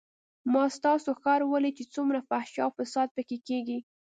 ما ستاسو ښار وليد چې څومره فحشا او فساد پکښې کېږي.